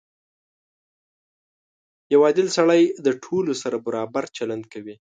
• یو عادل سړی د ټولو سره برابر چلند کوي.